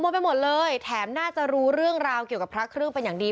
ไปหมดเลยแถมน่าจะรู้เรื่องราวเกี่ยวกับพระเครื่องเป็นอย่างดี